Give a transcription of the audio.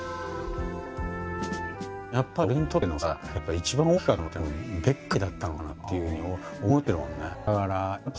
やっぱり俺にとってのさ一番大きかったのっていうのは別海だったのかなっていうふうに思ってるもんね。